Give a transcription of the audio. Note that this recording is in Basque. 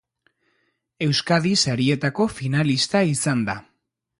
Euskadi Sarietako finalista izan da.